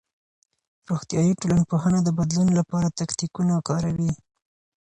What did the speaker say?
روغتيائي ټولنپوهنه د بدلون لپاره تکتيکونه کاروي.